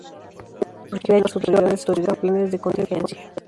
El hecho urgió a las autoridades a buscar planes de contingencia.